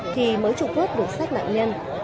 thì mới trục vớt được xác nạn nhân